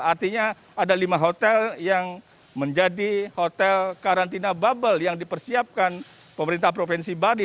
artinya ada lima hotel yang menjadi hotel karantina bubble yang dipersiapkan pemerintah provinsi bali